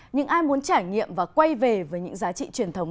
những ai muốn trải nghiệm và quay về với những giá trị truyền thống